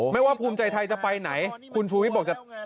ไม่ว่าภูมิใจไทยจะไปไหนคุณชูวิทย์บอกจะ